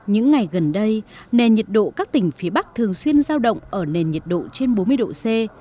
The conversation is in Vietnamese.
những ngày gần đây nền nhiệt độ các tỉnh phía bắc thường xuyên giao động ở nền nhiệt độ trên bốn mươi độ c